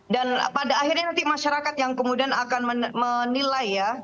dan pada akhirnya nanti masyarakat yang kemudian akan menilai ya